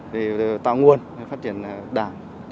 để tạo nguồn phát triển đảng